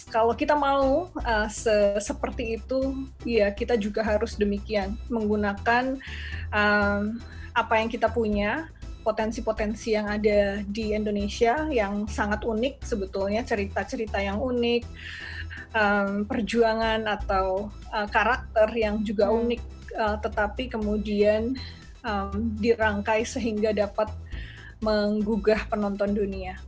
kalau kita mau seperti itu ya kita juga harus demikian menggunakan apa yang kita punya potensi potensi yang ada di indonesia yang sangat unik sebetulnya cerita cerita yang unik perjuangan atau karakter yang juga unik tetapi kemudian dirangkai sehingga dapat menggugah penonton dunia